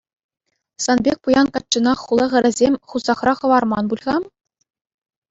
Сан пек пуян каччӑна хула хӗрӗсем хусахра хӑварман пуль-ха?